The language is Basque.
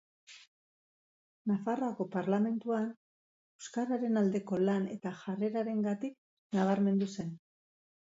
Nafarroako Parlamentuan, euskararen aldeko lan eta jarrerarengatik nabarmendu zen.